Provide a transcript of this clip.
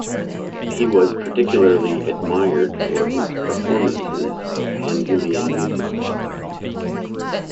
He was particularly admired for his performances of Handelian music.